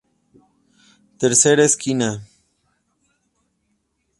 Tercer Esquina.